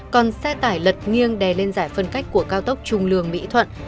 còn xe tải lật nghiêng đè lên giải phân cách của cao tốc trung lương mỹ thuận